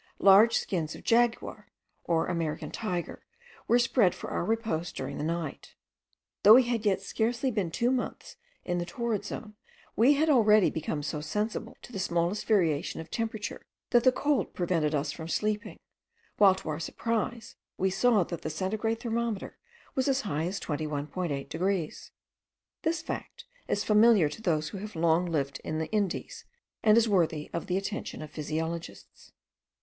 Large skins of the jaguar, or American tiger, were spread for our repose during the night. Though we had yet scarcely been two months in the torrid zone, we had already become so sensible to the smallest variation of temperature that the cold prevented us from sleeping; while, to our surprise, we saw that the centigrade thermometer was as high as 21.8 degrees. This fact is familiar to those who have lived long in the Indies, and is worthy the attention of physiologists.